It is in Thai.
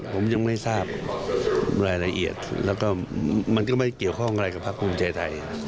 ผมยังไม่ทราบรายละเอียดแล้วก็มันก็ไม่เกี่ยวข้องอะไรกับภาคภูมิใจไทย